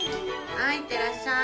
はいいってらっしゃい。